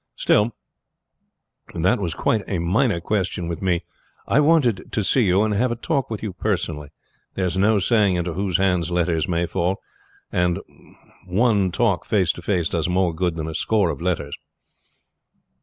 Still that was quite a minor question with me. I wanted to see you and have a talk with you personally. There is no saying into whose hands letters may fall, and one talk face to face does more good than a score of letters."